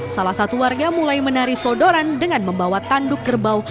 salah satu warga mulai menari sodoran dengan membawa tanduk kerbau